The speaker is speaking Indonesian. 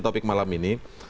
topik malam ini